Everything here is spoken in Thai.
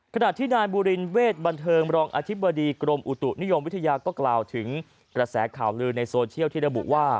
ขณะที่นายบูรินเวทบันเทิงรองอธิบดีกรมอุตุนิยมวิทยาก็กล่าวถึงกระแสข่าวลือในโซเชียลที่ระบุว่า